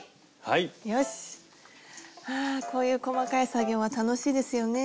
はこういう細かい作業は楽しいですよね。